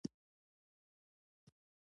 د کوڅېو تر ول تاو شي بیا راتاو